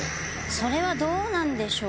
それはどうなんでしょう？